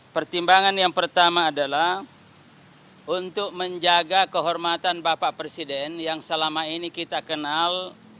pertimbangan yang pertama adalah untuk menjaga kehormatan bapak presiden yang selama ini kita kenal